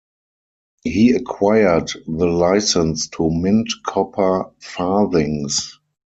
He acquired the licence to mint copper farthings.